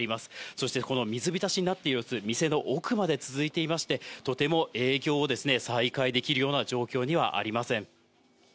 そして、この水浸しになった様子、店の奥まで続いていまして、とても営業を再開できるような状況にはありません。